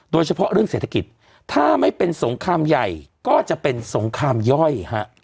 โดยเฉพาะเรื่องเศรษฐกิจถ้าไม่เป็นสงครามใหญ่ก็จะเป็นสงครามย่อยฮะ